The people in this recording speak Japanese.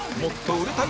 売れたい！